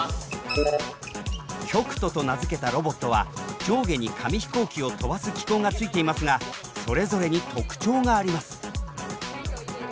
「旭兎」と名付けたロボットは上下に紙飛行機を飛ばす機構がついていますがそれぞれに特徴があります。